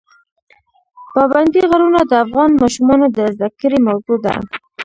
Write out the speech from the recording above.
پابندی غرونه د افغان ماشومانو د زده کړې موضوع ده.